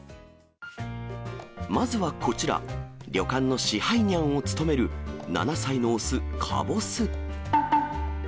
まずはこちら、旅館の支配にゃんを務める、７歳の雄、かぼす。